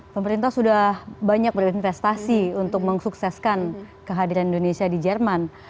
pemerintah sudah banyak berinvestasi untuk mensukseskan kehadiran indonesia di jerman